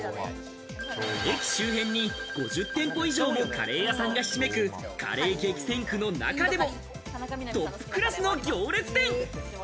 駅周辺に５０店舗以上もカレー屋さんがひしめくカレー激戦区の中でもトップクラスの行列店。